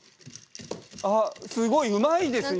あっすごいうまいですね